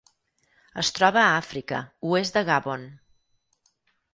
Es troba a Àfrica: oest de Gabon.